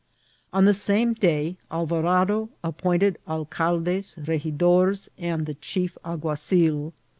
On the same day Al varado appointed alcaldes, regidors, and the chief al guazil.